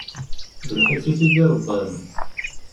D lḥif i t-id-irebban.